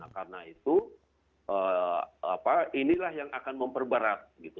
karena itu inilah yang akan memperberat